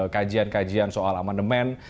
kajian kajian soal amandemen